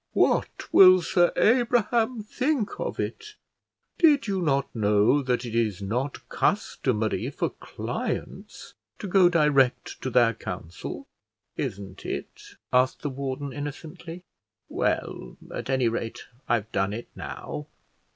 "What will Sir Abraham think of it? Did you not know that it is not customary for clients to go direct to their counsel?" "Isn't it?" asked the warden, innocently. "Well, at any rate, I've done it now.